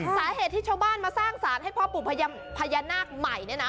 สาเหตุที่ชาวบ้านมาสร้างสารให้พ่อปู่พญานาคใหม่เนี่ยนะ